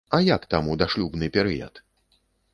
А як там у дашлюбны перыяд?